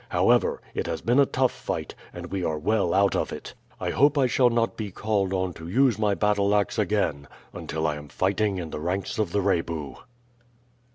However, it has been a tough fight, and we are well out of it. I hope I shall not be called on to use my battle ax again until I am fighting in the ranks of the Rebu."